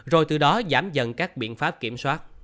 rồi từ đó giảm dần các biện pháp kiểm soát